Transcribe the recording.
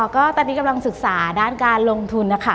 ก็ตอนนี้กำลังศึกษาด้านการลงทุนนะคะ